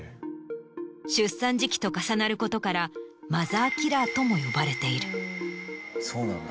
出産時期と重なることからマザーキラーとも呼ばれている。